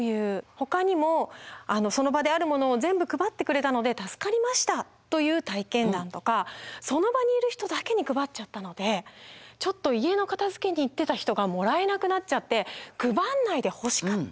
ほかにもその場であるものを全部配ってくれたので助かりましたという体験談とかその場にいる人だけに配っちゃったのでちょっと家の片づけに行ってた人がもらえなくなっちゃって配んないでほしかった。